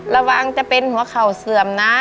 ระวังจะเป็นหัวเข่าเสื่อมนะ